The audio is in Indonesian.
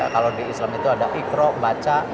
kalau di islam itu ada ikro baca